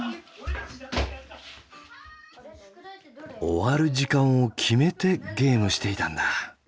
終わる時間を決めてゲームしていたんだ。